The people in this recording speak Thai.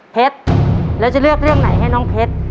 เพชรแล้วจะเลือกเรื่องไหนให้น้องเพชร